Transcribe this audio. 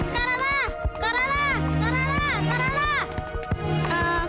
karalah karalah karalah karalah